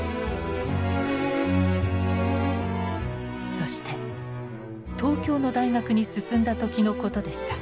そして東京の大学に進んだ時のことでした。